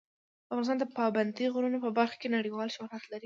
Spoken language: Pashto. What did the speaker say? افغانستان د پابندی غرونه په برخه کې نړیوال شهرت لري.